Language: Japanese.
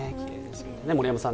森山さん